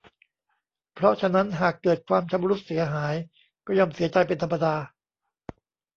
เพราะฉะนั้นหากเกิดความชำรุดเสียหายก็ย่อมเสียใจเป็นธรรมดา